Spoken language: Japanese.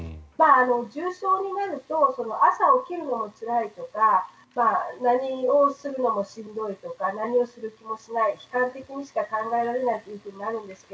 重症になると朝起きるのがつらいとか何をするのもしんどいとか何もする気が起きない悲観的にしか考えられないこともあるんですが。